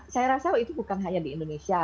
saya rasa itu bukan hanya di indonesia